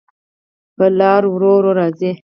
پر لاره ورو، ورو راځې